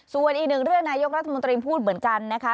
ส่วนอีกหนึ่งเรื่องนายกรัฐมนตรีพูดเหมือนกันนะคะ